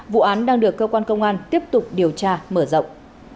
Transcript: vụ án đang được cơ quan công an tiếp tục điều tra mở rộng